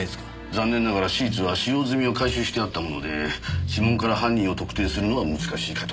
残念ながらシーツは使用済みを回収してあったもので指紋から犯人を特定するのは難しいかと。